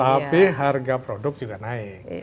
tapi harga produk juga naik